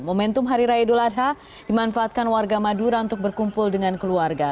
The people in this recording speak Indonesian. momentum hari raya idul adha dimanfaatkan warga madura untuk berkumpul dengan keluarga